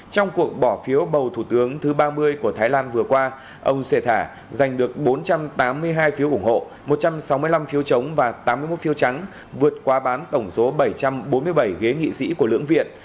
trong cuộc bỏ phiếu bầu thủ tướng thứ ba mươi của thái lan vừa qua ông xe thả giành được bốn trăm tám mươi hai phiếu ủng hộ một trăm sáu mươi năm phiếu chống và tám mươi một phiếu trắng vượt qua bán tổng số bảy trăm bốn mươi bảy ghế nghị sĩ của lưỡng viện